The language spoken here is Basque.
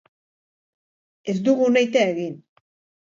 Ez dugu nahita egin.